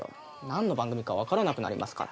何の番組か分からなくなりますから。